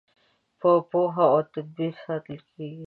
په پوهه او تدبیر ساتل کیږي.